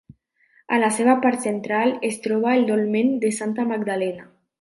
A la seva part central es troba el Dolmen de Santa Magdalena.